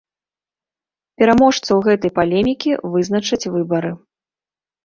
Пераможцаў гэтай палемікі вызначаць выбары.